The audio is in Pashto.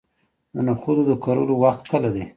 د نخودو د کرلو وخت کله دی؟